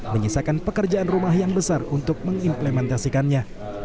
menyisakan pekerjaan rumah yang besar untuk mengimplementasikannya